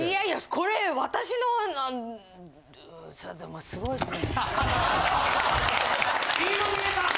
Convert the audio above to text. これ私のでも凄いですね。